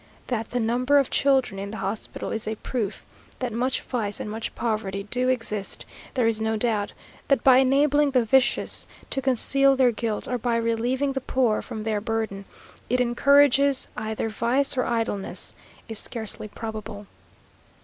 That the number of children in the hospital is a proof that much vice and much poverty do exist, there is no doubt; that by enabling the vicious to conceal their guilt, or by relieving the poor from their burden, it encourages either vice or idleness, is scarcely probable.